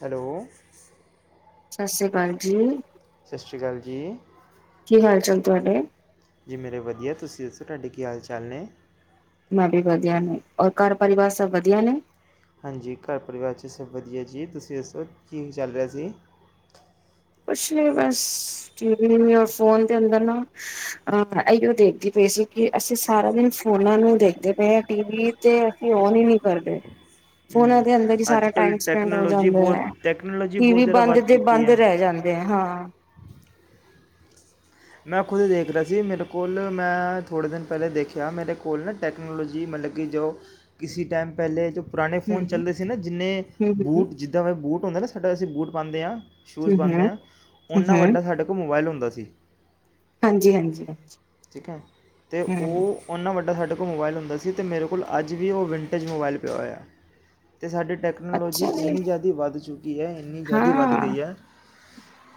Hello Sat Sri ਅਕਾਲ ਜੀ ਸਤਿ ਸ਼੍ਰੀ ਅਕਾਲ ਜੀ ਕੀ ਹਾਲ ਚਲ ਤੁਹਾਡੇ ਜੀ ਮੇਰੇ ਵਧੀਆ ਤੁਸੀਂ ਦੱਸੋ ਤੁਹਾਡੇ ਕੀ ਹਾਲ ਚਾਲ ਨੇ ਮੈਂ ਵੀ ਵਧੀਆ ਨੇ ਔਰ ਘਰ ਪਰਿਵਾਰ ਸਭ ਵਧੀਆ ਨੇ ਹਾਂਜੀ ਘਰ ਪਰਿਵਾਰ 'ਚ ਸਭ ਵਧੀਆ ਜੀ ਤੁਸੀਂ ਦੱਸੋ ਕੀ ਚੱਲ ਰਿਹਾ ਸੀ ਕੁਛ ਨ ਬਸ ਟੀਵ ਫੋਨ ਦੇ ਅੰਦਰ ਨਾ ਅ ਇਹੀਓ ਦੇਖਦੀ ਪਈ ਸੀ ਕਿ ਅਸੀਂ ਸਾਰਾ ਦਿਨ ਫੋਨਾ ਨੂੰ ਦੇਖਦੇ ਪਏ ਹ ਟੀਵ ਤੇ ਅਸੀਂ ਓਨ ਹੀ ਨਹੀਂ ਕਰਦੇ ਹਮ ਫੋਨਾਂ ਦੇ ਅੰਦਰ ਹੀ ਅੱਜ ਸਾਰਾ ਕੱਲ੍ਹ ਟਾਈਮ ਸਪੈਂਡ ਹੋ ਟੈਕਨੋਲੋਜੀ ਜਾਂਦਾ ਬਹੁਤ ਹੈ ਟੈਕਨੋਲੋਜੀ ਬਹੁਤ ਟੀਵੀ ਜ਼ਿਆਦਾ ਬੰਦ ਵੱਧ ਚੁੱਕੀ ਬੰਦ ਹੈ ਰਹਿ ਦੇ ਹਾਂ ਮੈਂ ਖੁਦ ਦੇਖ ਰਿਹਾ ਸੀ ਮੇਰੇ ਕੋਲ ਮੈਂ ਥੋੜ੍ਹੇ ਦਿਨ ਪਹਿਲੇ ਦੇਖਿਆ ਮੇਰੇ ਕੋਲ ਨਾ ਟੈਕਨੋਲੋਜੀ ਮਤਲਬ ਕਿ ਜੋ ਕਿੇ ਟਾਈਮ ਪਹਿਲੇ ਜੋ ਪੁਰਾਣੇ ਹਮ ਫੋਨ ਚੱਲਦੇ ਸੀ ਨਾ ਜਿੰਨੇ ਹਮ ਹਮ ਬੂਟ ਜਿੱਦਾਂ ਮੈਂ ਬੂਟ ਹੁੰਦਾ ਨਾ ਸਾਡ ਅਸੀਂ ਬੂਟ ਪਾਉਂਦੇ ਹਾਂ ਸ਼ੂਜ ਹਮ ਪਾਉਂਦੇ ਹ ਹਮ ਓਨਾ ਹਮ ਵੱਡਾ ਸਾਡੇ ਕੋਲ ਮੋਬਾਇਲ ਹੁੰਦਾ ਹੁੰਦਾ ਸੀ ਹਾਂਜੀ ਹਾਂਜੀ ਹ ਠੀਕ ਹੈ ਤੇ ਉਹ ਓਨਾ ਵੱਡਾ ਸਾਡੇ ਕੋਲ ਮੋਬਾਈਲ ਹੁੰਦਾ ਸੀ ਅਤੇ ਮੇਰੇ ਕੋਲ ਅੱਜ ਵੀ ਉਹ ਵਿੰਟੇਜ ਮੋਬਾਈਲ ਪਿਆ ਹੋਇਆ ਅਤੇ ਸਾਡੀ ਟੈਕਨੋਲੋਜੀ ਅੱਛਾ ਜੀ ਇੰਨੀ ਜ਼ਿਆਦਾ ਵੱਧ ਚੁੱਕੀ ਹੈ ਇੰਨੀ ਜ਼ਿਆਦਾ ਵੱਧ ਹਾਂ ਗਈ ਹੈ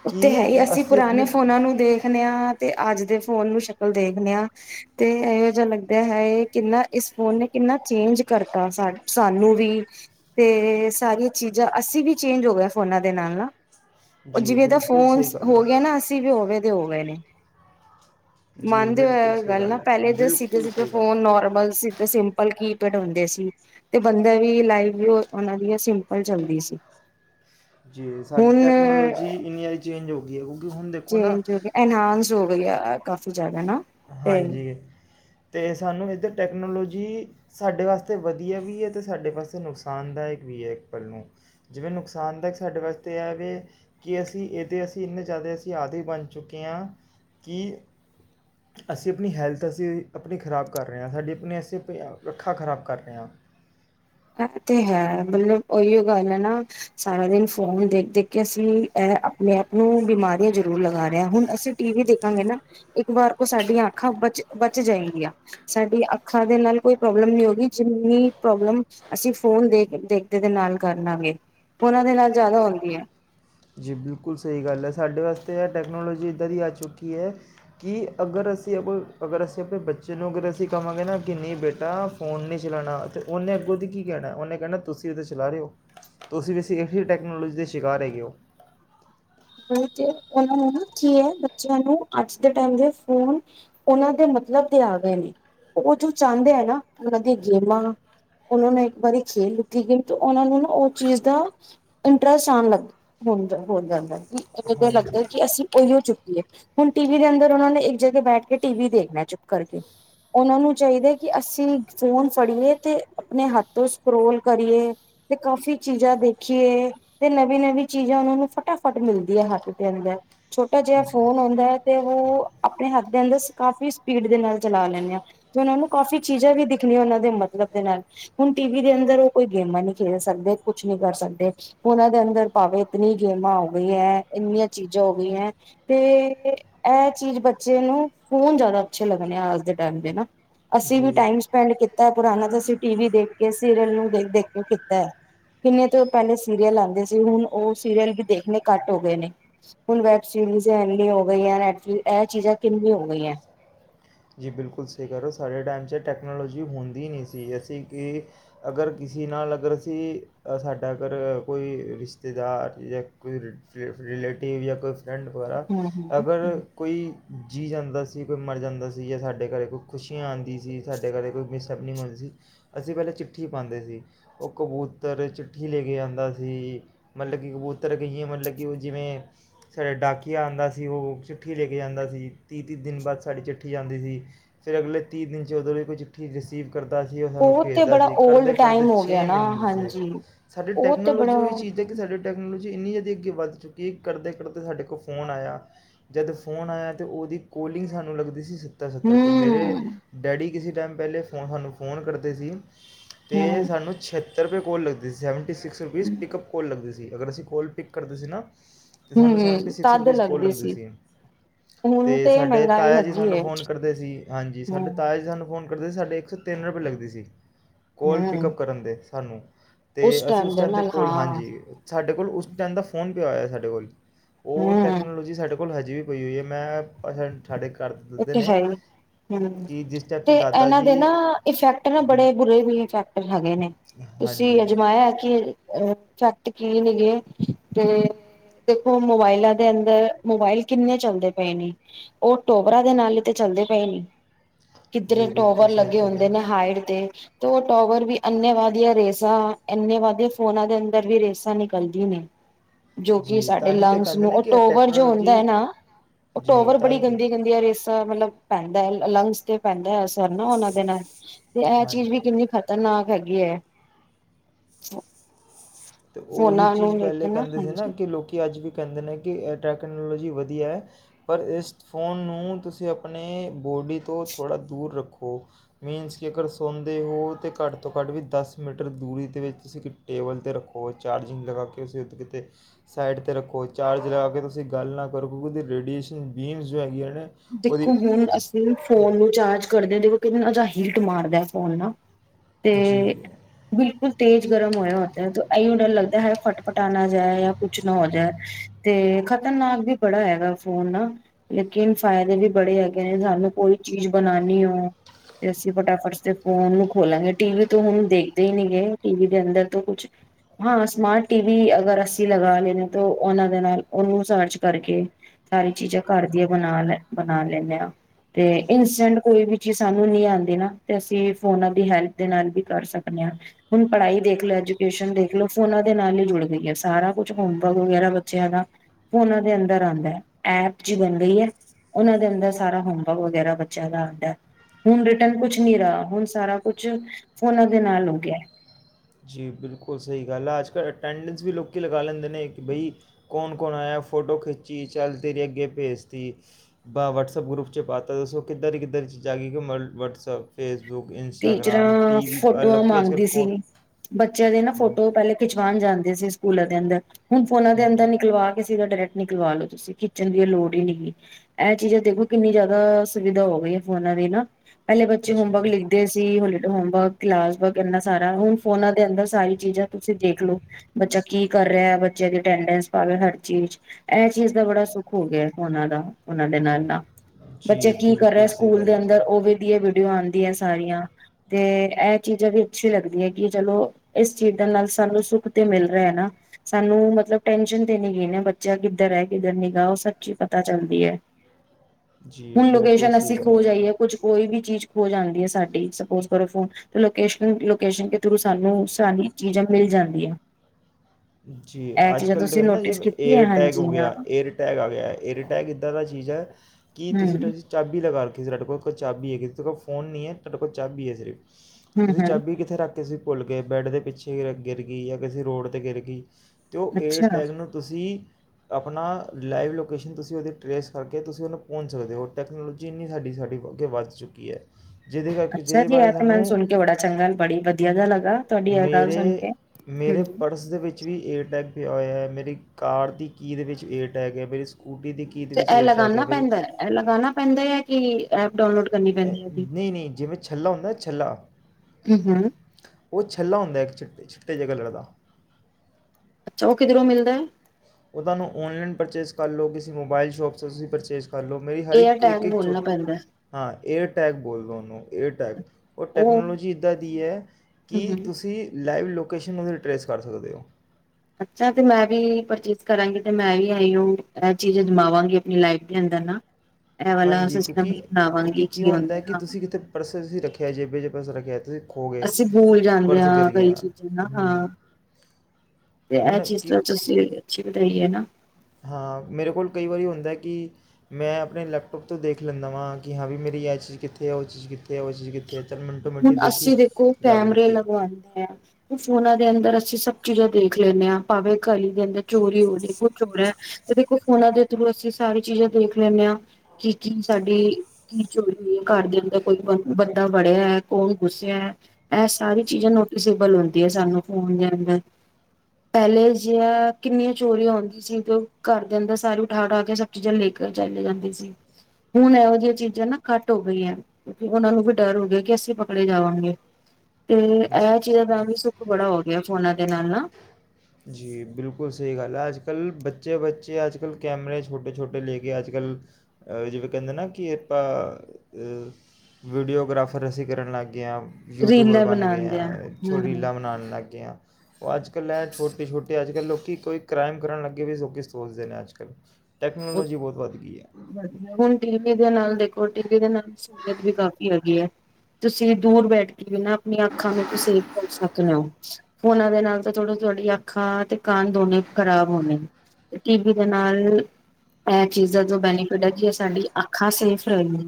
ਉੱਤੇ ਕਿ ਹੈ ਹੀ ਅਸੀਂ ਆਪਣੇ ਪੁਰਾਣੇ ਫੋਨਾਂ ਨੂੰ ਦੇਖਦੇ ਹਾਂ ਤੇ ਅੱਜ ਦੇ ਫੋਨ ਨੂੰ ਸ਼ਕਲ ਦੇਖਦੇ ਆ ਤੇ ਇਹੋ ਜਹਾ ਲੱਗਦਾ ਹੈ ਕਿੰਨਾ ਇਸ ਫੋਨ ਨੇ ਕਿੰਨਾ ਚੇਂਜ ਕਰਤਾ ਸਾਨੂੰ ਵੀ ਤੇ ਸਾਰੀਆਂ ਚੀਜ਼ਾਂ ਅਸੀਂ ਵੀ ਚੇਂਜ ਹੋ ਗਿਆ ਫੋਨਾ ਦੇ ਨਾਲ ਨਾ ਜੀ ਜਿਵੇਂ ਤਾਂ ਬਿਲਕੁਲ ਸਹੀ ਫੋਨਸ ਗੱਲ ਹੋ ਹੈ ਗਿਆ ਨਾ ਅਸੀਂ ਵੀ ਹੋਵੇ ਹੋ ਗਏ ਨੇ ਜੀ ਮੰਨਦੇ ਬਿਲਕੁਲ ਹੋ ਸਹੀ ਗੱਲ ਨਾ ਹੈ ਪਹਿਲੇ ਤਾਂ ਸਿੱਧੇ ਬਿਲਕੁਲ ਸਿੱਧੇ ਸਹੀ ਗੱਲ ਫੋਨ ਨੋਰਮਲ ਸਿੱਧੇ ਸਿੰਪਲ ਕੀ ਟਾਉਦੇ ਸੀ ਤੇ ਬੰਦਾ ਵੀ ਲਾਈਫ ਵੀ ਉਹਨਾ ਦੀ ਸਿੰਪਲ ਚੱਲਦੀ ਸੀ ਜੀ ਸਾਡੀ ਹੁਣ ਟੈਕਨੋਲੋਜੀ ਇਨੀ ਆ ਜ ਚੇਂਜ ਹੋ ਗਗੀ ਹੈੋ ਚੇਂਜ ਹੋ ਗਿਆ ਐਨਹਾਂਸ ਹੋ ਗਈ ਕਾੀਿਆਦਾ ਹਾਂਜੀ ਤੇ ਸਾਨੂੰ ਇਏਧਰ ਟੈਕਨੋਲੋਜੀ ਘੀ ਸਾਡੇ ਵਾਸਤੇ ਵਧੀਆ ਵੀ ਹੈ ਅਤੇ ਸਾਡੇ ਵਾਸਤੇ ਨੁਕਸਾਨਦਾਇਕ ਵੀ ਹੈ ਇਕ ਤਰਹ। ਜਿਵੇਂ ਨੁਕਸਾਨਦਾਇਕ ਸਾਡੇ ਵਾਸਤੇ ਇਹਵੇ ਕਿ ਅਸੀਂ ਇਹਦੇ ਅਸੀਂ ਇੰਨੇ ਜ਼ਿਆਦਾ ਆਦਿ ਬਣ ਚੁੱਕੇ ਹਾਂ ਕਿ ਅਸੀਂ ਆਪਣੀ ਹੈਲਥ ਅਸੀਂ ਆਪਣੀ ਖ਼ਰਾਬ ਕਰ ਰਹੇ ਹਾਂ। ਸਾਡੀ ਆਪਣੀ ਅਸੀਂ ਪ ਅੱਖਾ ਖ਼ਰਾਬ ਕਰ ਰਹੇ ਹਾਂ। ਇਹ ਤੇ ਹੈ ਮਤਲਬ ਉਹੀਓ ਗੱਲ ਹੈ ਨਾ ਸਾਰਾ ਦਿਨ ਫੋਨ ਦੇਖ ਦੇਖ ਕੇ ਅਸੀਂ ਇਹ ਆਪਣੇ ਆਪ ਨੂੰ ਬਿਮਾਰੀਆਂ ਜ਼ਰੂਰ ਲਗਾ ਰਹਾ। ਹੁਣ ਅਸੀਂ ਟੀ ਵੀ ਦੇਖਾਂਗੇ ਨਾ ਇੱਕ ਵਾਰ ਉਹ ਸਾਡੀਆਂ ਅੱਖਾਂ ਬਚ ਬਚ ਜਾਏਗੀਆਂ ਸਾਡੀ ਅੱਖਾਂ ਦੇ ਨਾਲ ਕੋਈ ਪ੍ਰੋਬਲਮ ਨ ਹੋਗੀ। ਜਿੰਨੀ ਪ੍ਰੋਬਲਮ ਅਸੀਂ ਫੋਨ ਦੇਖ ਦੇਖਦੇ ਦੇ ਨਾਲ ਕਰ ਲਾਂਗੇ ਉਹਨਾਂ ਦੇ ਨਾਲ ਜ਼ਿਆਦਾ ਹਉਦੀ ਹੈ। ਜੀ ਬਿਲਕੁਲ ਸਹੀ ਗੱਲ ਹੈ ਸਾਡੇ ਵਾਸਤੇ ਇਹ ਟੈਕਨੋਲੋਜੀ ਇੱਦਾਂ ਦੀ ਆ ਚੁੱਕੀ ਹੈ। ਕਿ ਅਗਰ ਅਸੀਂ ਅੱਗੋਂ ਅਗਰ ਅਸੀਂ ਆਪਣੇ ਬੱਚੇ ਨੂੰ ਅਗਰ ਅਸੀਂ ਕਹਾਂਗੇ ਨਾ ਕਿ ਨਹੀਂ ਬੇਟਾ ਫੋਨ ਨਹੀਂ ਚਲਾਉਣਾ। ਅਤੇ ਉਹਨੇ ਅੱਗੋਂ ਦੀ ਕੀ ਕਹਿਣਾ ਉਹਨੇ ਕਹਿਣਾ ਤੁਸੀਂ ਉਹ ਤਾਂ ਚਲਾ ਰਹੇ ਹੋ। ਤੁਸੀਂ ਵੀ ਅਸੀਂ ਇਹੀ ਟੈਕਨੋਲੋਜੀ ਦੇ ਸ਼ਿਕਾਰ ਹੈਗੇ ਹੋ। ਬ ਚ ਉਹਨਾਂ ਨੂੰ ਨਾ ਕੀ ਹੈ ਬੱਚਿਆਂ ਨੂੰ ਅੱਜ ਦੇ ਟਾਈਮ ਦੇ ਫੋਨ ਉਹਨਾਂ ਦੇ ਮਤਲਬ ਤੇ ਆ ਗਏ ਨੇ ਉਹ ਜੋ ਚਾਹੁੰਦੇ ਹੈ ਨਾ ਉਹਨਾਂ ਦੀ ਗੇਮਾਂ ਉਹਨਾਂ ਨੇ ਇੱਕ ਵਾਰੀ ਖੇਲ ਦਿੱਤੀ ਗਮ ਤੇ ਉਹਨਾਂ ਨੂੰ ਨਾ ਉਹ ਚੀਜ਼ ਦਾ ਇੰਟਰਸਟ ਆਉਣ ਲੱਗ ਹੋ ਜਾਂਦਾ ਇਹ ਲੱਗਦਾ ਹਾਂਜੀ ਕਿ ਅਸੀਂ ਉਹੀਓ ਚੁੱਕੀਏ। ਹੁਣ ਟੀ ਵੀ ਦੇ ਅੰਦਰ ਉਹ ਨੇ ਇੱਕ ਜਗ ਬੈਠ ਕੇ ਟੀ ਵੀ ਦੇਖਣਾ ਚੁੱਪ ਕਰਕੇ ਉਹਨਾਂ ਨੂੰ ਚਾਹੀਦਾ ਕਿ ਅਸੀਂ ਫੋਨ ਫੜੀਏ ਤੇ ਆਪਣੇ ਹੱਥ ਤੋਂ ਸਕੋਲ ਕਰੀਏ ਤੇ ਕਾਫੀ ਚੀਜ਼ਾਂ ਦੇਖੀਏ ਤੇ ਨਵੀਂ ਨਵੀਂ ਚੀਜ਼ਾਂ ਉਹਨਾਂ ਨੂੰ ਫਟਾਫਟ ਮਿਲਦੀ। ਹੱਥ ਦੇ ਅੰਦਰ ਛੋਟਾ ਜਿਹਾ ਫੋਨ ਆਉਂਦਾ ਹੈ। ਤੇ ਉਹ ਆਪਣੇ ਹੱਥ ਦੇ ਅੰਦਰ ਕਾਫ਼ੀ ਸਪੀਡ ਦੇ ਨਾਲ ਚਲਾ ਲੈਂਦੇ ਆ ਤੇ ਉਹਨਾਂ ਨੂੰ ਕਾਫ਼ੀ ਚੀਜ਼ਾਂ ਵੀ ਦਿਖਣੀਆਂ। ਉਹਨਾਂ ਦੇ ਮਤਲਬ ਦੇ ਨਾਲ ਹੁਣ ਟੀ ਵੀ ਦੇ ਅੰਦਰ ਉਹ ਕੋਈ ਗੇਮਾਂ ਨੀ ਖੇਡ ਸਕਦੇ ਕੁਛ ਨੀ ਕਰ ਸਕਦੇ ਉਹਨਾਂ ਦੇ ਅੰਦਰ ਭਾਵੇਂ ਇਤਨੀ ਗੇਮਾਂ ਆ ਗਈ ਹੈ। ਇਨੀਆਂ ਚੀਜ਼ਾਂ ਹੋ ਗਈਆਂ ਤੇ ਇਹ ਚੀਜ਼ ਬੱਚੇ ਨੂੰ ਫ਼ੋਨ ਜ਼ਿਆਦਾ ਅੱਛੇ ਲੱਗਣੇ ਆ ਅਜ ਦੇ ਟਮ ਦੇ ਅਸੀਂ ਵੀ ਜੀ ਟਾਈਮ। ਸਪੈਂਡ ਕੀਤਾ ਪੁਰਾਣਾ ਅਸੀਂ ਟੀ ਵੀ ਦੇਖ ਕੇ ਸੀਰੀਅਲ ਨੂੰ ਦੇਖ ਦੇਖ ਕੇ ਕੀਤਾ ਹੈ ਕਿੰਨੇ ਤੋਂ ਪਹਿਲੇ ਸੀਰੀਅਲ ਆਉਂਦੇ ਸੀ ਹੁਣ ਉਹ ਸੀਰੀਅਲ ਵੀ ਦੇਖਣੇ ਘੱਟ। ਗ ਨੇ ਹੁਣ ਵੈਬ ਸੀਰੀਜ਼ਨੀ ਹੋ ਗਈ ਨ ਇਹ ਚੀਜ਼ਾਂ ਕਿੰਨ ਹੋ ਗਈਆਂ। ਜੀ ਬਿਲਕੁਲ ਸਹੀ ਕਹਿ ਰਹੇ ਉ ਸਾਡੇ ਟਾਈਮ 'ਚ ਟੈਕਨੋਲੋਜੀ ਹੁੰਦੀ ਨਹੀਂ ਸੀ। ਅਸੀਂ ਕਿ ਅਗਰ ਕਿਸੇ ਨਾਲ ਅਗਰ ਅਸੀਂ ਸਾਡਾ ਅਗਰ ਕੋਈ ਰਿਸ਼ਤੇਦਾਰ ਜਾਂ ਕੋਈ ਰਿ ਰਿ ਰਿਲੇਟਿਵ ਜਾਂ ਕੋਈ ਫਰੈਂਡ ਵਗੈਰਾ ਹਮ ਹਮ ਅਗਰ ਹਮ। ਕੋਈ। ਜੀਅ ਜਾਂਦਾ ਸੀ ਕੋਈ ਮਰ ਜਾਂਦਾ ਸੀ। ਜਾਂ ਸਾਡੇ ਘਰ ਕੋਈ ਖੁਸ਼ੀਆਂ ਆਉਂਦੀ ਸੀ। ਸਾਡੇ ਘਰ ਕੋਈ ਮਿਸਟੈਪਨਿੰਗ ਹੁੰਂਦੀ ਸੀ ਅਸੀਂ ਪਹਿਲਾਂ ਚਿੱਠੀ ਪਾਉਂਦੇ ਸੀ। ਉਹ ਕਬੂਤਰ ਚਿੱਠੀ ਲੈ ਕੇ ਜਾਂਦਾ ਸੀ ਮਤਲਬ ਕਿ ਕਬੂਤਰ ਕਹੀਏ ਮਤਲਬ ਕਿ ਉਹ ਜਿਵੇਂ ਸਾਡੇ ਡਾਕੀਆ ਆਉਂਦਾ ਸੀ ਉਹ ਚਿੱਠੀ ਲੈ ਕੇ ਆ ਜਾਂਂਦਾ ਸੀ ਤੀਹ ਤੀਹ ਦਿਨ ਬਾਅਦ ਸਾਡੀ ਚਿੱਠੀ ਚਿੱਠੀ ਜਾਂਦੀ ਸੀ ਫਿਰ ਅਗਲੇ ਤੀਹ ਦਿਨ 'ਚ ਉਦੋਂ ਲਈ ਕੋਈ ਚਿੱਠੀ ਰਿਸੀਵ ਕਰਦਾ ਸੀ ਉਹ ਸਾਨੂੰ ਤੇ ਭੇਜਦਾ ਬੜਾ ਸੀ ਕਰਦੇ ਓਲਡ ਕਰਦੇ ਟਾਈਮ ਹੋ ਗਿਆ ਛੇ ਨਾ ਮਿੰਟ ਸੀ ਹਾਂਜੀ ਸਾਡੀ ਉਹ ਤੇ ਟੈਕਨੋਲੋਜੀ ਬੜਾ ਉਹੀ ਚੀਜ਼ ਹੈ ਕਿ ਸਾਡੀੇ ਟੈਕਨੋਲੋਜੀ ਇੰਨੀ ਜਿਆਦਾ ਅੱਗੇ ਵੱਧ ਚੁੱਕੀ ਹੈ। ਕਰਦੇ- ਕਰਦੇ ਸਾਡੇ ਕੋਲ ਫੋਨ ਆਇਆ। ਜਦ ਫੋਨ ਆਇਆ ਤੇ ਉਹਦੀ ਕੋਲਿੰਗ ਸਾਨੂੰ ਲੱਗਦੀ ਸੀ। ਸਤਰ ਸਤਰ ਪਏ ਮੇਰੇ ਹਮ। ਡੈਡੀ। ਕਿਸੇ ਟਾਈਮ ਪਹਿਲੇ ਫੋਨ ਸਾਨੂੰ ਫੋਨ ਕਰਦੇ ਸੀ। ਤੇ ਹਮ। ਸਾਨੂੰ ਛ। ਸਿਰਫ ਪੋਲ ਲੱਗਦੇ ਸੀ। ਸੀਸ ਆਫ ਰੁਪੀਸ ਪਿਕਅਪ ਕੋਲ ਲੱਗਦੀ ਸੀ। ਅਗਰ ਅਸੀਂ ਕੋਲ ਪਿਕ ਕਰਦੇ ਸੀ ਨਾ। ਤੇ ਸਾਨੂੰ ਹਮ ਤੱਦ ਰੁਪਏ ਕੋਲ ਲੱਗਦੀ ਲੱਗਦੇ ਸੀ ਹੁਣ ਤੇ ਸਾਡੇ ਮਹਿੰਗਾਈ ਤਾਇਆ ਜੀ ਹੈਗੀ ਸਾਨੂੰ ਫੋਨ ਕਰਦੇ ਸੀ। ਹਾਂਜੀ ਹਮ ਸਾਡੇ ਤਾਜ ਸਾਨੂੰ ਫੋਨ ਓਦੋਂ ਸਾਡੇ ਇੱਕ ਸੌ ਤਿੰਨ ਰੁਪਏ ਲੱਗਦੀ ਸੀ। ਕੋਲ ਹਮ। ਪਿਕਅਪ ਕਰਨ ਦੇ। ਸਾਨੂੰ। ਤੇ ਅਸੀਂ ਟਾਈਮ ਉਸ ਟਮ ਦੇ ਨਾਲ ਕੋਲ ਹਾਂ ਹਾਂਜੀ ਸਾਡੇ ਕੋਲ। ਉਸ ਟਾਈਮ ਦਾ ਫੋਨ ਪਿਆ ਹੋਇਆ ਸਾਡੇ ਕੋਲ। ਉਹ ਹਮ। ਟੈਕਨੋਲੋਜੀ ਸਾਡੇ ਕੋਲ ਬਿਲਕੁਲ ਹਜੇ ਵੀ ਪਈ ਹੋਈ ਹੈ। ਮੈਂ ਅ ਸਾਡੇ ਘਰ। ਦੇ ਦੱਸਦੇ ਉਤੇ ਨੇ ਹੈ ਹੀ ਹਮ ਕਿ ਜਿਸ ਟਾਈਮ ਤੇ ਦਾਦਾ ਇਹਨਾਂ ਜੀ ਦੇ ਨਾ ਇਫੈਕਟ ਨਾ ਬੜੇ ਬੁਰੇ ਵੀ ਇਫ਼ੇਕਟ ਹੈਗੇ ਨੇ। ਤੁਸੀਂ ਹਾਂਜੀ ਅਜਮਾਇਆ ਕਿ ਇਫ਼ੇਕਟ ਕਿ ਨਿਕਲੇ ਤੇ ਦੇਖੋ ਮੋਬਾਇਲਾਂ ਦੇ ਅੰਦਰ ਮੋਬਾਇਲ ਕਿੰਨੇ ਚੱਲਦੇ ਪਏ ਨੇ ਉਹ। ਟੋਬਰਾ ਦੇ ਨਾਲ ਹੀ ਤੇ ਚੱਲਦੇ ਪਏ ਨੀ। ਕਿੱਧਰੇ ਜੀ ਬਿਲਕੁਲ ਟੋਵਰ ਸਹੀ ਲੱਗੇ ਗੱਲ ਹੁੰਦੇ ਹੈ ਨੇ ਹਾਈਟ ਤੇ। ਤੇ ਉਹ ਟੋਵਰ ਵੀ ਇੰਨੇ ਵਧਆ ਰੇਸਾਂ ਇੰਨੇ ਵਧਆ ਫੋਨਾਂ ਦੇ ਅੰਦਰ ਵੀ ਰੇਸਾਂ ਨਿਕਲਦੀ ਨੇ ਜੋ ਕਿ ਜੀ ਸਾਡੇ ਤਾਂ ਹੀ ਤੇ ਲੰਗਸ ਕਹਿੰਦੇ ਨੂੰ ਨੇ ਉਹ ਕਿ ਇਹ ਟੋਵਰ ਜੋ ਹੁੰਦਾ ਹੈ ਟੈਕਨੋਲੋਜੀ ਨਾ ਉਹ ਜੀ ਟੋਵਰ ਤਾਂ ਬੜੀ ਹੀ ਦੀਆਂ ਰੇਸਾਂ ਮਤਲਬ ਪੈਂਦਾ ਹੈ ਲੰਗਸ ਤੇ ਪੈਂਦਾ ਹੈ ਨਾ ਉਹਨਾਂ ਦੇ ਨਾਲ ਤੇ ਇਹ ਚੀਜ਼ ਵੀ ਹਾਂਜੀ ਕਿੰਨੀ ਖ਼ਤਰਨਾਕ ਹੈਗੀ ਹੈ ਤੇ, ਉਹੀ ਫੋਨਾਂ ਚੀਜ਼ ਨੂੰ ਲੈ ਪਹਿਲੇ ਕੇ ਕਹਿੰਦੇ ਸੀ। ਨਾ ਹਾਂਜੀ। ਕਿ ਲੋਕੀ ਅੱਜ ਵੀ ਕਹਿੰਦੇ ਨੇ ਕਿ ਟੈਕਨੋਲੋਜੀ ਵਧੀਆ ਹੈ। ਪਰ ਇਸ ਫੋਨ ਨੂੰ ਤੁਸੀਂ ਆਪਣੇ ਬੋਡੀ ਤੋਂ ਥੋੜ੍ਹਾ ਦੂਰ ਰੱਖੋ ਮੀਨਸ ਕਿ ਅਗਰ ਸੌਂਦੇ ਹੋ ਤਾਂ ਘੱਟ ਤੋਂ ਘੱਟ ਵੀ ਦਸ ਮੀਟਰ ਦੂਰੀ ਦੇ ਵਿੱਚ ਤੁਸੀਂ ਇੱਕ ਟੇਬਲ 'ਤੇ ਰੱਖੋ। ਔਰ ਚਾਰਜਿੰਗ ਲਗਾ ਕੇ, ਤੁਸੀਂ ਉੱਦ ਕਿਤੇ ਸਾਈਡ ਰੱਖੋ ਚਾਰਜ ਲਗਾ ਕੇ ਤੁਸੀਂ ਗੱਲ ਨਾ ਕਰੋ ਕਿਉਂਕਿ ਉਹਦੀ ਰੇਡੀਏਸ਼ਨ ਬੀਮਸ ਜੋ ਹੈਗੀਆਂ ਨੇ ਦੇਖੋ ਉਹਦੀ ਹੁਣ ਅਸੀਂ ਫੋਨ ਨੂੰ ਚਾਰਜ ਕਰਦੇ ਹਾਂ ਦੇ ਕ ਨਾਲ ਜਾਂ ਹੀਟ ਮਾਰਦਾ ਫੋਨ ਨਾਲ ਤੇ ਜੀ ਬਿਲਕੁਲ ਤੇਜ਼ ਗਰਮ ਹੋਇਆ ਅਈ ਲੱਗਦਾ ਹੈ ਫਟਫਟਾ ਨਾ ਜਾਏ ਜਾਂ ਕੁਛ ਨਾ ਹੋ ਜਾਏ ਤੇ ਖ਼ਤਰਨਾਕ ਵੀ ਬੜਾ ਹੈਗਾ ਫੋਨ ਲੇਕਿਨ ਫਾਇਦੇ ਵੀ ਬੜੇ ਹੈਗੇ ਨੇ ਸਾਨੂੰ ਕੋਈ ਚੀਜ਼ ਬਣਾਉਾਨੀ ਹੋ ਤੇ ਅਸੀਂ ਫਟਾਫਟ ਤੇ ਫੋਨ ਨੂੰ ਖੋਲਾਂਗੇ ਟੀ ਵੀ ਤੋਂ ਹੁਣ ਦੇਖਦੇ ਹੀ ਨੀ ਗ ਟੀਵ ਦੇ ਅੰਦਰ ਤੋਂ ਕੁਛ ਹਾਂ ਸਮਾਰਟ ਟੀਵ ਅਗਰ ਅਸੀਂ ਲਗਾ ਲਏ ਤਾਂ ਉਹਨਾਂ ਦੇ ਨਾਲ ਉਹਨੂੰ ਸਰਚ ਕਰਕੇ ਸਾਰੀ ਚੀਜ਼ਾਂ ਕਰਦੀਆਂ ਬਣਾ ਲੈ ਬਣਾ ਲੈਂਦੇ ਹਾ, ਤੇ ਇੰਸਟੈਂਟ ਕੋਈ ਵੀ ਚੀਜ਼ ਸਾਨੂੰ ਨ ਆਉਂਦੀ ਨਾ ਤੇ ਅਸੀਂ ਫੋਨਾ ਦੀ ਹੈਲਪ ਦੇ ਨਾਲ ਵੀ ਕਰ ਸਕਦੇ ਹਾਂ ਹੁਣ ਪੜ੍ਹਾਈ ਦੇਖ ਲ ਐਜੂਕੇਸ਼ਨ ਦੇਖ ਲ ਫੋਨਾ ਦੇ ਨਾਲ ਹੀ ਜੁੜ ਗਈ ਹੈ। ਸਾਰਾ ਕੁਛ ਹੋਮਵਰਕ ਵਗੈਰਾ ਬੱਚਿਆਂ ਦਾ ਫੋਨਾ ਦੇ ਅੰਦਰ ਆਉਂਦਾ ਐਪ ਜੀ ਬਣ ਗਈ ਹੈ। ਉਹਨਾਂ ਦੇ ਅੰਦਰ ਸਾਰਾ ਹੋਮਵਰਕ ਵਗੈਰਾ ਬੱਚਿਆਂ ਦਾ ਆਉਂਦਾ ਹੁਣ ਰਿਟਰਨ ਕੁਛ ਨਹੀਂ ਰਿਹਾ ਹੁਣ ਸਾਰਾ ਕੁਛ ਉਹਨਾਂ ਦੇ ਨਾਲ ਹੋਗ ਗਿਆ। ਜੀ, ਬਿਲਕੁਲ ਸਹੀ ਗੱਲ ਆ ਅੱਜ ਕੱਲ੍ਹ ਅਟੈਂਡੈਂਸ ਵੀ ਲੋਕ ਲਗਾ ਲੈਂਦੇ ਨੇ ਕਿ ਬਈ ਕੌਣ ਕੌਣ ਆਇਆ ਫੋਟੋ ਖਿੱਚੀ ਚੱਲ ਤੇਰੀ ਅੱਗੇ ਭੇਜ ਤ ਬ ਵਟਸਐਪ ਗਰੁੱਪ 'ਚ ਪਾਤਾ ਦੱਸੋ ਕਿੱਧਰ ਕਿੱਧਰ ਚੀਜ਼ਾਂਗੀ ਕਿ ਮ ਵੱਟਸਐਪ ਭੇਜ ਫੇਸਬੁੱਕ ਇੰਸਟਾਗ੍ਰਾਮ ਟੀ ਟੀਚਰਾਂ ਵੀ ਪਰ ਫੋਟੋਆਂ ਲੋਕੀ ਅੱਜ ਕੱਲ ਮੰਗਦੀ ਸੀ। ਫੋ ਬੱਚਿਆਂ ਦੇ ਨਾ ਫੋਟੋ ਪਹਿਲੇਾਂ ਖਿਚਵਾਉਣ ਜਾਂਦੇ ਸੀ। ਸਕੂਲਾਂ ਦੇ ਅੰਦਰ ਹੁਣ ਫੋਨਾ ਦੇ ਅੰਦਰ ਨਿਕਲਵਾ ਕਿਸੇ ਦਾ ਡਾਇਰੈਕਟ ਨਿਕਲਵਾ ਲੋ ਤੁਸੀਂ ਖਿੱਚਣ ਦੀ ਲੋੜ ਹੀ ਨਹੀਂ ਇਹ ਚੀਜ਼ਾਂ ਦੇਖੋ ਕਿੰਨੀ ਜ਼ਿਆਦਾ ਸੁਵਿਧਾ ਹੋ ਗਈ ਹੈ। ਫੋਨਾ ਦੀ ਨਾ ਪਹਿਲੇ ਬੱਚੇ ਹੋਮਵਰਕ ਲਦੇ holiday home work, class work, ਇਨਾ ਸਾਰਾ ਹੁਣ ਫੋਨਾਂ ਦੇ ਅੰਦਰ ਸਾਰੀ ਚੀਜ਼ਾਂ ਤੁਸੀਂ ਦੇਖਲੋ ਬੱਚਾ ਕੀ ਕਰ ਰਿਹਾ ਬੱਚਿਆਂ ਦੀ ਅਟੈਂਡੈਂਸ ਪਾਵੇ ਹਰ ਚੀਜ਼ ਚੀਜ਼ ਦਾ ਬੜਾ ਸੁੱਖ ਹੋ ਗਿਆ। ਉਹਨਾਂ ਦਾ ਉਹਨਾਂ ਦੇ ਨਾਲ ਨਾ ਬੱਚੇ ਕੀ ਕਰ ਰਹੇ ਸਕੂਲ ਦੇ ਅੰਦਰ ਉਹ ਵੀ ਦੀ ਵੀਡੀਓ ਆਉਂ [unintelligible] ਸਾਰੀਆਂ ਤੇ ਇਹ ਚੀਜ਼ਾਂ ਵੀ ਅੱਛੀ ਲੱਗਦੀ ਹੈ ਕਿ ਚਲੋ ਇਸ ਚੀਜ਼ਾਂ ਨਾਲ ਸਾਨੂੰ ਸੁੱਖ ਤੇ ਮਿਲ ਰਿਹਾ ਨਾ ਸਾਨੂੰ ਮਤਲਬ ਟੈਸ਼ਨ ਤੇ ਨੀ ਗਿਣ ਬੱਚਾ ਕਿੱਧਰ ਹੈ ਕਿੱਧਰ ਨੀ ਗਾ ਉਹ ਸੱਚ ਚੀਜ਼ ਪਤਾ ਚੱਲਦੀ ਹੈ। ਹੁਣ ਲੋਕੇਸ਼ਨ ਅਸੀਂ ਖੋ ਜਾਈਏ ਕੁੱਛ ਕੋਈ ਵੀ ਚੀਜ਼ ਖੋ ਜਾਣੀ ਸਾਡੀ ਸਪੋ ਕਰੋ, ਫੋਨ ਲੋਸ਼ਨ ਸਾਨੂੰ ਸ ਚੀਜ਼ਾਂ ਮਿਲ ਜਾਂਦੀ ਆ ਜੀ ਅੱਜ ਕੱਲ੍ਹ ਦੇ ਨਾ ਜੇ ਕੀਤੀ ਹੈ ਏਅਰਟੈਗ ਹਾਂਜੀ ਹੋ ਹਾਂ ਗਿਆ ਏਅਰਟੈਗ ਆ ਗਿਆ ਏਅਰਟੈਗ ਇੱਧਾਂ ਦਾ ਚੀਜ਼ ਹੈ ਕੀ ਤੁਸੀਂ ਹਮ ਤੁ ਚਾਬੀ ਲਗਾ ਰੀ ਸੀ, ਲਟਟਕ ਚਾਬੀ ਵੀ ਹੈ, ਕਿਸੇ ਫੋਨ ਨਹੀਂ ਹੈ ਲਟਕਲ ਚਾਪ ਵੀ ਹੈ। ਸਿਰਫ ਹਮ ਤੁਸੀਂ ਹਮ ਚਾਬੀ ਕਿੱਥੇ ਰੱਖ ਕਿਸੇ ਭੁੱਲ ਗਏ ਬੈਡ ਦੇ ਪਿੱਛੇ ਗਿਰ ਗਈ ਜਾਂ ਕਿਸੇ ਰੋਡ ਤੇ ਗਿਰਗੀ ਗੀ ਅਤੇ ਉਹ ਅੱਛਾ ਏਅਰਟੈਗ ਨੂੰ ਤੁਸੀਂ ਆਪਣਾ ਲਾਈਵ ਲੋਕੇਸ਼ਨ ਤੁਸੀਂ ਉਹਦੀ ਟਰੇਸ ਕਰਕੇ ਤੁਸੀਂ ਉਹਨੂੰ ਪਹੁੰਚ ਸਕਦੇ ਹੋ ਟੈਕਨੋਲੋਜੀ ਇੰਨੀ ਸਾਡੀ ਸਾਡੀ ਅੱਗੇ ਵੱਧ ਚੁੱਕੀ ਹੈ। ਜਿਹਦੇ ਕਰਕੇ ਅੱਛਾ ਜਿਹਦੇ ਜੀ, ਇਹ ਬਾਰੇ ਤੇ ਮੈਨੂੰ ਸਾਨੂੰ ਸੁਣ ਕੇ ਬੜਾ ਚੰਗਾ ਬੜੀ ਵਧੀਆ ਜਿਹਾ ਲਗਾ। ਮੇਰੇ ਮੇਰੇ ਪਰਸ ਦੇ ਵਿੱਚ ਵੀ ਏਟ ਟੈਗ ਵੀ ਹੋਇਆ ਹੈ। ਮੇਰੀ ਕਾਰ ਦੀ ਕੀ ਦੇ ਵਿੱਚ ਏਟੈਗ ਹੈ। ਮੇਰੀ ਸਕੂਲ ਤੇ ਇਹ ਲਗਾਨਾ ਪੈਂਦਾ ਇਹ ਲਗਾਾਨਣਾ ਪੈਂਦਾ ਹੈ। ਕਿ ਐਪ ਡਾਨਲਡ ਨਹੀਂ ਨਹੀਂ ਜਿਵੇਂ ਛੱਲਾ ਹੁੰਦਾ ਛੱਲਾ ਹੂੰ-ਹੂੰ ਉਹ ਛੱਲਾ ਹੁੰਦਾ ਇੱਕ ਚਿੱਟੇ ਚ ੱਤੇ ਜ੍ਹਾ ਲੜਦਾ ਕਿਧਰੋਂ ਮਿਲਦਾ ਹੈ ਉਹ ਤੁਹਾਨੂੰ ਔਨਲਾਈਨ ਪਰਚੇਸ ਕਰ ਲਓ ਕਿਸੇ ਮੋਬਾਇਲ ਸ਼ੋਪ ' ਤੁਸੀਂ ਪਰਚੇਸ ਕਰਲੋ ਮੇਰੀ ਹਰ ਏਅਰ ਇੱਕ ਟੈਗ ਇੱਕ ਇੱਕ ਬੋਲਣਾ ਛੋਟ ਪੈਂਦਾ ਹਾਂ ਏਅਰਟੈਗ ਬੋਲ ਦ ਉਹਨੂੰ ਏਅਰਟੈਕ ਉਹਰ ਉਹ ਟੈਕਨੋਲੋਜੀ ਇੱਦਾਂ ਦੀ ਹੈ। ਕਿ ਹੂੰ-ਹੂੰ ਤੁਸੀਂ ਲਾਈਵ ਲੋਕੇਸ਼ਨ ਤੁਦੀ ਰਿਟਰੇਸ ਕਰ ਸਕਦੇ ਹੋ ਅੱਛਾ ਤੇ ਮੈਂ ਵੀ ਪਰਚੇਸ ਕਰਾਂਗੀ ਤੇ ਮੈਂ ਵੀ ਇਹ ਚੀਜ਼ ਦਿਮਾਵਾਂਗੀ ਆਪਣੀ ਲਾਈਫ ਦੇ ਅੰਦਰ ਨਾ ਇਹ ਵਾਲਾ ਹਾਂਜੀ ਸਿਸਟਮ ਕਿਉਂਕਿ ਵੀ ਕਿਉਂਕਿ ਅਪਣਾਵਾਂਗੇ ਕੀ ਹੁੰਦਾ ਕਿ ਹਾਂ ਤੁਸੀਂ ਕਿਤੇ ਪਰਸ ਤੁਸੀਂ ਰੱਖਿਆ ਜੇਵੇ ਜੇ ਬਸ ਰੱਖਿਆ ਅਤੇ ਅਸੀਂ ਬੂਲ ਜਾਂਦੇ ਹਾਂ। ਕਈ ਚੀਜ਼ਾਂ ਨਾ ਹੂੰ ਹਾਂ ਤੇ ਇਹ ਹੁਣ ਚੀਜ਼ ਕੀ ਵਿੱਚ ਅਸੀਂ ਅੱਛੀ ਲ ਸ ਹੀ ਹੈ ਨਾ ਹਾਂ ਮੇਰੇ ਕੋਲ ਕਈ ਵਾਰੀ ਹੁੰਦਾ ਕਿ ਮੈਂ ਆਪਣੇ ਲੈਪਟੋਪ ਤੋਂ ਦੇਖ ਲੈਂਦਾ ਵਾਂ ਕਿ ਹਾਂ ਵੀ ਮੇਰੀ ਇਹ ਚੀਜ਼ ਕਿੱਥੇ ਆ ਉਹ ਚੀਜ਼ ਕਿੱਥੇ। ਹੈ ਉਹ ਚੀਜ਼ ਕਿੱਥੇ ਹੈ ਚੱਲ ਮਿੰਟੋ ਮਿੰਟੀ ਹੁਣ ਦੇਖੀ ਅਸੀਂ ਦੇਖੋ ਲੱਭ ਕੈਮਰੇ ਲਿੱਤੀ ਲਗਵਾਉਂਦੇ ਹ ਉਹ ਫੋਨਾਂ ਦੇ ਅੰਦਰ ਅਸੀਂ ਸਭ ਚੀਜ਼ਾਂ ਦੇਖ ਲੈਂਦੇ ਹਾਂ ਭਾਵੇਂ ਘਲੀ ਦੇ ਅੰਦਰ ਚੋਰੀ ਹੋਵੇ ਕੁਛ ਚੋਰ ਹੈ ਤੇ ਦੇਖੋ ਫੋਨਾ ਦੇ ਥਰੂ ਅਸੀਂ ਸਾਰੀ ਚੀਜ਼ਾਂ ਦੇਖ ਲੈਂਦੇ ਹਾਂ। ਕਿ ਕੀ ਸਾਡੀ ਕੀ ਚੋਰੀ ਹੋਈ ਹੈ। ਘਰ ਦੇ ਅੰਦਰ ਕੋਈ ਬੰ ਬੰਦਾ ਵੜਿਆ ਹੈ ਕੌਣ ਗੁੱਸਿਆ ਹੈ ਇਹ ਸਾਰੀ ਚੀਜ਼ਾਂ ਨੋਟਿਸੇਬਲ ਹੁੰਦੀ ਹੈ ਸਾਨੂੰ ਫੋਨ ਦੇ ਅੰਦਰ ਪਹਿਲੇ ਜਿ ਕਿੰਨੀਆਂ ਚੋਰੀਆਂ ਆਉਂਦੀ ਸੀ ਤੇ ਉਹ ਘਰ ਦੇ ਅੰਦਰ ਸਾਰੀ ਉਠਾ ਉਠਾ ਕੇ ਸਭ ਚੀਜ਼ਾਂ ਲੈਕੇ ਚਲੇ ਜਾਂਦੀ ਸੀ। ਹੁਣ ਇਹੋ ਜਿਹੀਆਂ ਚੀਜ਼ਾਂ ਨਾ ਘੱਟ ਹੋ ਗਈਆਂ। ਉਹਨਾ ਨੂੰ ਵੀ ਡਰ ਹੋ। ਗਿਆ ਕਿ ਅਸੀਂ ਪਕੜੇ ਜਾਵਾਂਗੇ। ਤੇ ਇਹ ਚੀਜ਼ਾਂ ਦਾ ਵੀ ਬੜਾ ਹੋ ਗਿਆ। ਫੋਨਾ ਦੇ ਨਾਲ ਨਾ ਜੀ ਬਿਲਕੁਲ ਸਹੀ ਗੱਲ ਆ ਅੱਜ ਕੱਲ੍ਹ ਬੱਚੇ ਬੱਚੇ ਅੱਜ ਕੱਲ੍ਹ ਕੈਮਰੇ ਛੋਟੇ ਛੋਟੇ ਲੈ ਕੇ ਅੱਜ ਕੱਲ੍ਹ ਜਿਵੇਂ ਕਹਿੰਦੇ ਨਾ ਕਿ ਆਪਾਂ ਵੀਡੀਓਗ੍ਰਾਫਰ ਅਸੀਂ ਕਰਨ ਲੱਗ ਗਏ। ੱਗੇ ਯੂਟਿਊਬਰ ਰੀਲਾਂ ਬਣ ਗਏ ਬਣਾਉਂਦੇ ਆ ਛੋ ਹਮ ਰੀਲਾਂ ਬਣਾਉਣ ਲੱਗ ਗਈਆਂ। ਉਹ ਅੱਜ ਕੱਲ੍ਹ ਛੋਟੇ ੋਟੇ ਅੱਜ ਕੱਲ ਲੋਕਈ ਕ੍ਰਾਈਮ ਕਰਨ ਲੱਗੇ ਵੀ ਸ ਲੋਕ ਸੋਚਦੇ ਨੇ ਅੱਜ ਕੱਲ। ਵਧੀਆ ਹੁਣ ਟੀ ਵੀ ਦੇ ਨਾਲ ਦੇਖੋ ਟੀ ਵੀ ਦੇ ਨਾਲ ਸਹੂਲੀਤ ਵੀ ਕਾਫ਼ੀ ਹੈ। ਤੁਸੀਂ ਦੂਰ ਬੈਠ ਕੇ ਵੀ ਨਾ ਆਪਣੀਆਂ ਅੱਖਾਂ ਨੂੰ ਸੇਵ ਕਰ ਸਕਦੇ ਹੋ ਫੋਨਾਂ ਦੇ ਨਾਲ ਤਾਂ ਥੋੜਾ ਤੁਹਾਡੀ ਅੱਖਾਂ ਤੇ ਕਾਨ ਦੋਨੇ ਖ਼ਰਾਬ ਹੋਣੇ ਤੇ ਟੀ ਵੀ ਦੇ ਨਾਲ ਇਹ ਚੀਜ਼ਾਂ ਤੋਂ ਬੈਨੀਫਿਟ ਹੈ ਕਿ ਸਾਡੀ ਅੱਖਾਂ ਸੇਫ ਰਹੇਆਂ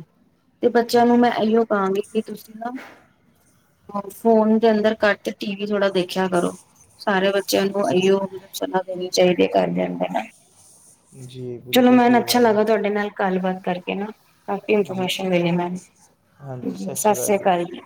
ਤੇ ਬੱਚਿਆਂ ਨੂੰ ਮੈਂ ਇਓ ਕਹਾਂਗੀ ਕਿ ਤੁਸੀਂ ਨਾ ਅ ਫੋਨ ਦੇ ਅੰਦਰ ਕੱਟ ਟੀ ਵੀ ਥੋੜ੍ਹਾ ਦੇਖਿਆ ਕਰੋ ਸਾਰੇ ਬੱਚਿਆਂ ਨੂੰ ਇਓ ਮਤਲਬ ਸਲਾਹ ਦੇਣੀ ਚਾਹੀਦੀ ਹੈ। ਕਰਦਿਆਂਦੇ ਨਾਲ ਜੀ, ਚਲੋ ਬਿਲਕੁਲ ਮੈਨ ਸਹੀ ਅੱਛਾ ਗੱਲ ਹੈ। ਲੱਗਾ ਤੁਹਾਡੇ ਨਾਲ ਗੱਲਬਾਤ ਕਰਕੇ ਨਾ ਕਾਫੀ ਜੀ, ਇਨਫੋਰਮੇ ਦੇਣੀ ਮੈ ਸਤਿ ਸ੍ਰੀ ਅਕਾਲ ਜੀ